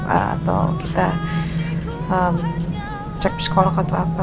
atau kita cek psikolog atau apa